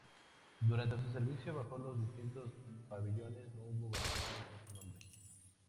Durante su servicio bajo los distintos pabellones no hubo variación en su nombre.